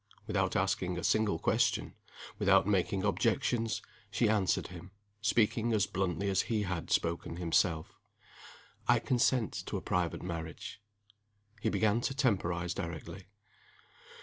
Without asking a single question, without making objections, she answered him, speaking as bluntly as he had spoken himself: "I consent to a private marriage." He began to temporize directly.